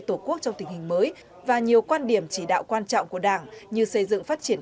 tổ quốc trong tình hình mới và nhiều quan điểm chỉ đạo quan trọng của đảng như xây dựng phát triển